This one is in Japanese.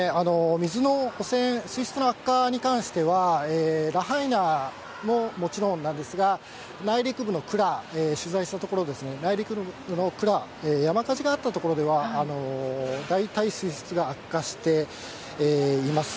水の汚染、水質の悪化に関しては、ラハイナももちろんなんですが、内陸部のクラ、取材したところですね、内陸部のクラ、山火事があった所では、大体水質が悪化しています。